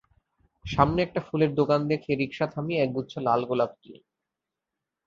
সামনে একটা ফুলের দোকান দেখে রিকশা থামিয়ে একগুচ্ছ লাল গোলাপ কিনি।